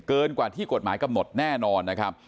กว่าที่กฎหมายกำหนดแน่นอนนะครับ